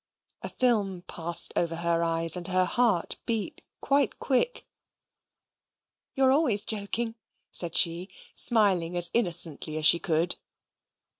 A film passed over her eyes, and her heart beat quite quick. "You're always joking," said she, smiling as innocently as she could.